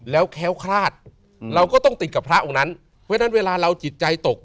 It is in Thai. แล้วแค้วคลาดเราก็ต้องติดกับพระองค์นั้นเพราะฉะนั้นเวลาเราจิตใจตก